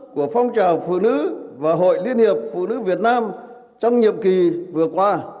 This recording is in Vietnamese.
của phong trào phụ nữ và hội liên hiệp phụ nữ việt nam trong nhiệm kỳ vừa qua